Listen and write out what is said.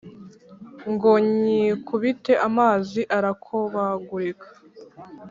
Ngo nyikubite amazi arakobagurika